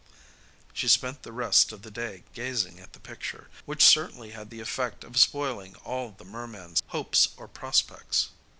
She spent the rest of the day gazing at the picture, which certainly had the effect of spoiling all the merman's hopes or prospects.